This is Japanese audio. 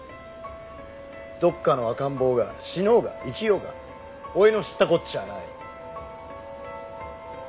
どっかの赤ん坊が死のうが生きようが俺の知ったこっちゃない。